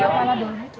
terima kasih bu